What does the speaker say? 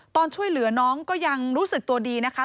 ตอนช่วยเหลือน้องก็ยังรู้สึกตัวดีนะคะ